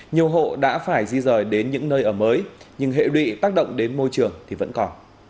nhiều hộ đã phải di rời đến những nơi ở mới nhưng hệ lụy tác động đến môi trường thì vẫn còn